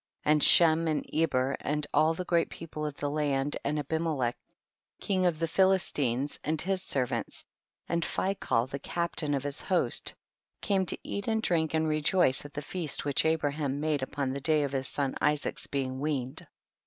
5. And Shem and Eber and all the great people of the land, and Abi melech king of the Philistines, and his servants, and Phicol the captain of his host, came to eat and drink and rejoice at the feast which Abra ham made upon the day of his son Isaac's being weaned.